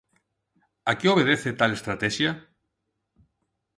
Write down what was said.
A que obedece tal estratexia?